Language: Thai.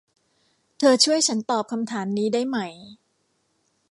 เธอช่วยฉันตอบคำถามนี้ได้ไหม